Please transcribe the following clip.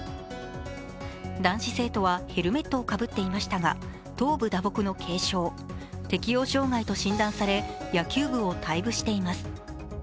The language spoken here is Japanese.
男子生徒はヘルメットをかぶっていましたが、頭部打撲の軽傷、適応障害と診断され、野球部を退部しています。